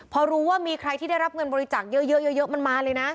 พอรู้ว่ามีใครที่ได้รับเงินบริจาคเยอะมันมาเลยนะ